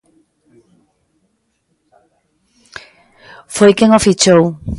Foi quen o fichou.